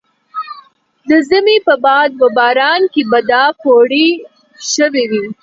د ژمي په باد و باران کې به دا پوړۍ ښویې وې.